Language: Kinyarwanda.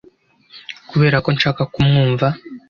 Kubera ko nshaka kumwumva